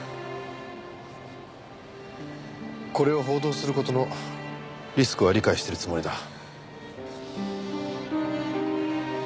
これを報道する事のリスクは理解してるつもりだ。